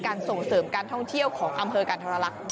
ส่งเสริมการท่องเที่ยวของอำเภอกันธรรลักษณ์